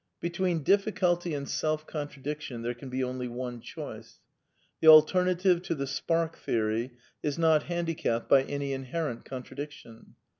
Between difficulty and self contradiction there can be only one choice. The alternative to the spark theory is not handicapped by any inherent contradiction.